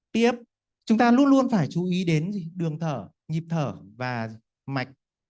tiếp chúng ta luôn luôn phải chú ý đến đường thở nhịp thở và mạch